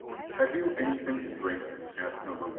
"Have you anything to drink?" asked number i.